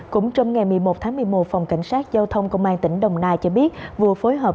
cũng trong ngày một mươi một tháng một mươi một phòng cảnh sát giao thông công an tỉnh đồng nai cho biết vừa phối hợp